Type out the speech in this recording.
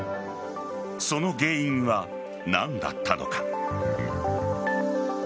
その原因は何だったのか。